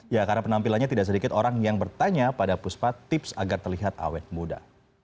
ya karena penampilannya tidak sedikit orang yang bertanya pada puspa tips agar terlihat awet muda